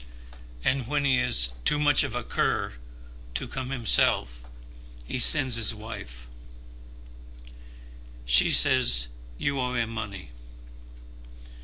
And when he is too much of a cur to come himself, he sends his wife." "She says you owe him money."